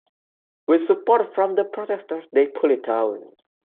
With support from the protesters, they pulled it down.